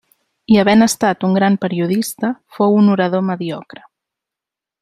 I havent estat un gran periodista, fou un orador mediocre.